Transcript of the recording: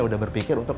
udah berpikir untuk